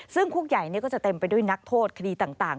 ซึ่งคุกใหญ่ก็จะเต็มไปด้วยนักโทษคดีต่าง